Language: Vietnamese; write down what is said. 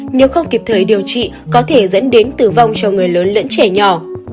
nếu không kịp thời điều trị có thể dẫn đến tử vong cho người lớn lẫn trẻ nhỏ